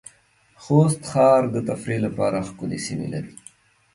خوست ښار د تفریح لپاره ښکلې سېمې لرې